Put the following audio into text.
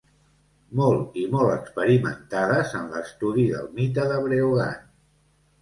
Molt i molt experimentades en l'estudi del mite de Breogan.